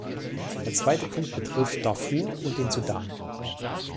Der zweite Punkt betrifft Darfur und den Sudan.